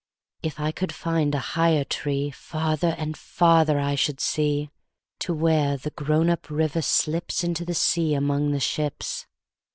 If I could find a higher treeFarther and farther I should see, To where the grown up river slipsInto the sea among the ships.